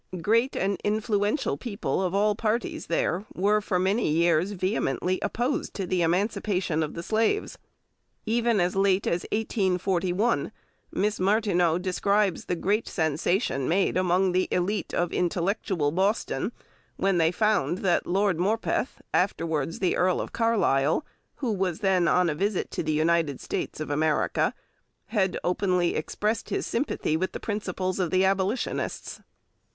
Great and influential people of all parties there were for many years vehemently opposed to the emancipation of the slaves. Even as late as 1841 Miss Martineau describes the great sensation made among "the élite of intellectual Boston" when they found that Lord Morpeth (afterwards the Earl of Carlisle), who was then on a visit to the United States of America, had openly expressed his sympathy with the principles of the Abolitionists.